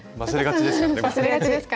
忘れがちですからね。